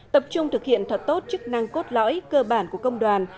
tập trung thực hiện thật tốt chức năng cốt lõi cơ bản của công đoàn